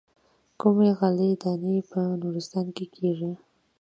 کومې غلې دانې په نورستان کې کېږي.